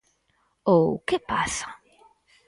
Ou ¡que pasa!